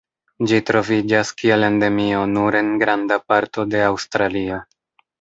Ĝi troviĝas kiel Endemio nur en granda parto de Aŭstralio.